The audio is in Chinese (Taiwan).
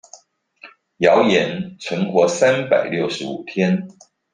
謠言存活三百六十五天